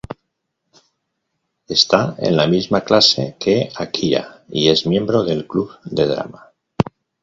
Está en la misma clase que Akira y es miembro del club de drama.